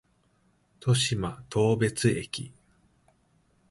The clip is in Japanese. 渡島当別駅